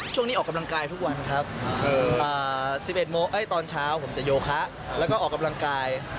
ออกกำลังกายทุกวันครับ๑๑โมงตอนเช้าผมจะโยคะแล้วก็ออกกำลังกาย